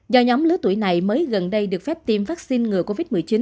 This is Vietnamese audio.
do nhóm lứa tuổi này mới gần đây được phép tiêm vaccine ngừa covid một mươi chín